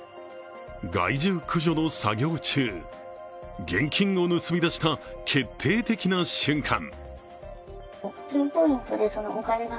害獣駆除の作業中、現金を盗み出した決定的な瞬間。